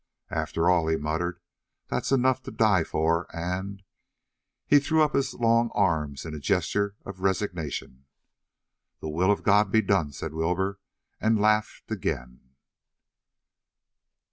"After all," he muttered, "that's enough to die for, and " He threw up his long arms in a gesture of resignation. "The will of God be done!" said Wilbur, and laughed again.